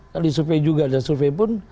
kan disurvei juga dan survei pun